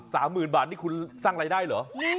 หมื่นบาทนี่คุณสร้างรายได้เหรอ